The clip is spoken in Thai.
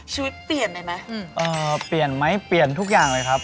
ชีวิตเปลี่ยนเลยไหมเอ่อเปลี่ยนไหมเปลี่ยนทุกอย่างเลยครับ